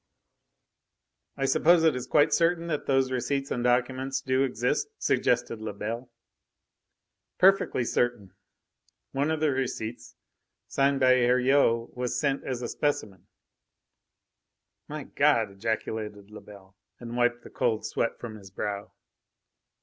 "I suppose it is quite certain that those receipts and documents do exist?" suggested Lebel. "Perfectly certain. One of the receipts, signed by Heriot, was sent as a specimen." "My God!" ejaculated Lebel, and wiped the cold sweat from his brow.